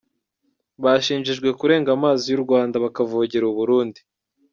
Bashinjijwe kurenga amazi y’u Rwanda bakavogera u Burundi.